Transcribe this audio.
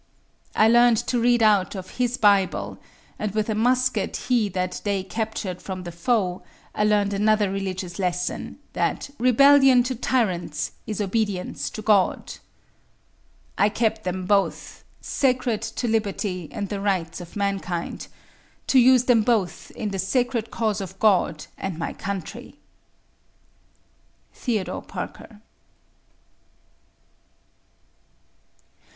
I learned to read out of his Bible, and with a musket he that day captured from the foe, I learned another religious lesson, that "Rebellion to Tyrants is Obedience to God." I keep them both "Sacred to Liberty and the Rights of Mankind," to use them both "In the Sacred Cause of God and my Country." THEODORE PARKER.